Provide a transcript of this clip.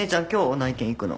内見行くの。